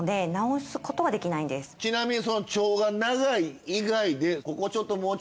ちなみに。